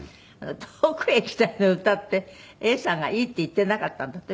『遠くへ行きたい』の歌って永さんがいいって言ってなかったんだって？